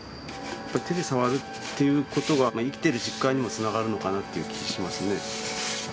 手で触るっていうことが生きてる実感にもつながるのかなっていう気しますね。